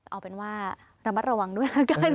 เอาเป็นว่าระมัดระวังด้วยแล้วกัน